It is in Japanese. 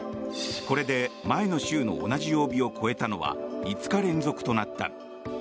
これで前の週の同じ曜日を超えたのは５日連続となった。